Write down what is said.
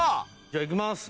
じゃあいきます。